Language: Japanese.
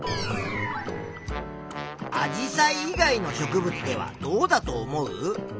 アジサイ以外の植物ではどうだと思う？